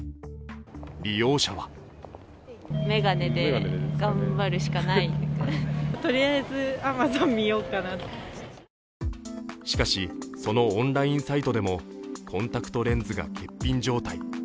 利用者はしかし、そのオンラインサイトでもコンタクトレンズが欠品状態。